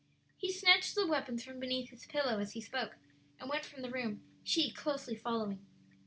He snatched the weapons from beneath his pillow as he spoke, and went from the room, she closely following.